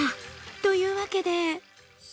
というわけで。